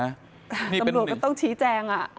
ตำรวจก็ต้องชี้แจง